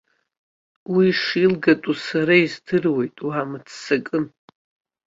Уи ишилгатәу сара издыруеит, уаамыццакын.